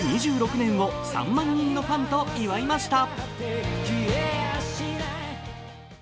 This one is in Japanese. ２６年を３万人のファンと祝いました。